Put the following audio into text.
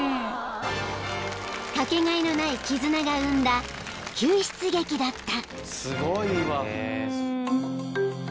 ［かけがえのない絆が生んだ救出劇だった］